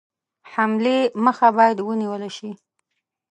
حملې مخه باید ونیوله شي.